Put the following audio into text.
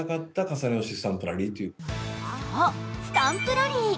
そう、スタンプラリー。